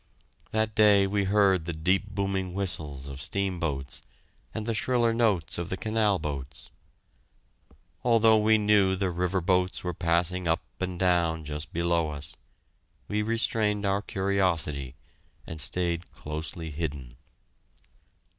That day we heard the deep booming whistles of steamboats, and the shriller notes of the canal boats. Although we knew the river boats were passing up and down just below us, we restrained our curiosity and stayed closely hidden.